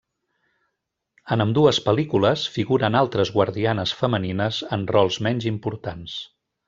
En ambdues pel·lícules figuren altres guardianes femenines en rols menys importants.